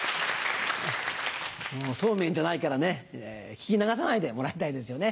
そうめんじゃないからね聞き流さないでもらいたいですよね。